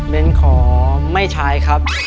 จะใช้หรือไม่ใช้ครับ